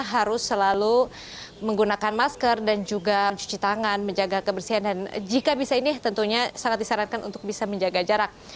harus selalu menggunakan masker dan juga mencuci tangan menjaga kebersihan dan jika bisa ini tentunya sangat disarankan untuk bisa menjaga jarak